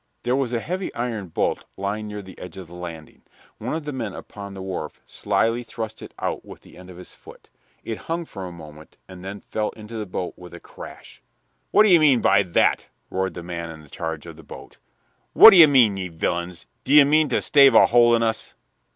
There was a heavy iron bolt lying near the edge of the landing. One of the men upon the wharf slyly thrust it out with the end of his foot. It hung for a moment and then fell into the boat below with a crash. "What d'ye mean by that?" roared the man in charge of the boat. "What d'ye mean, ye villains? D'ye mean to stave a hole in us?"